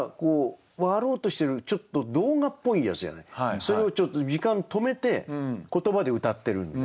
それをちょっと時間止めて言葉でうたってるんで。